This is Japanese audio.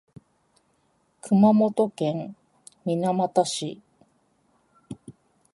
熊本県水俣市